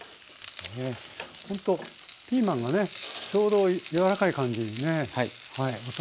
ほんとピーマンがねちょうどやわらかい感じにね。